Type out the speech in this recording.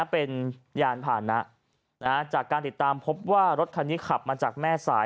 เป็นยานผ่านนะจากการติดตามพบว่ารถคันนี้ขับมาจากแม่สาย